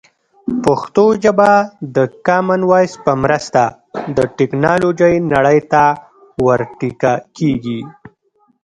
پښتو ژبه د کامن وایس په مرسته د ټکنالوژۍ نړۍ ته ور ټيکه کېږي.